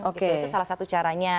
itu salah satu caranya